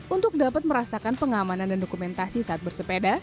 untuk dapat merasakan pengamanan dan dokumentasi saat bersepeda